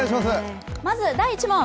まず第１問。